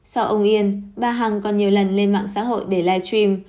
sau ông yên bà hằng còn nhiều lần lên mạng xã hội để live stream